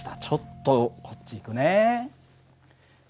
ちょっとこっち行くね。